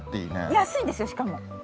安いんですよしかも。